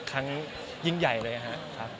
ครั้งยิ่งใหญ่เลยครับ